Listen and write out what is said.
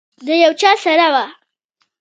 د یو چا سره وه.